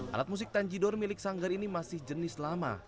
alat musik tanjidor milik sanggar ini masih jenis lama